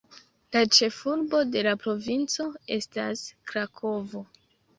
La ĉefurbo de la provinco estas Krakovo.